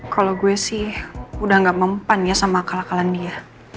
kalau gue sih udah gak mempan ya sama akal akalan dia